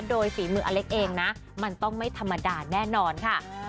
โดยฝีมืออเล็กเองนะมันต้องไม่ธรรมดาแน่นอนค่ะ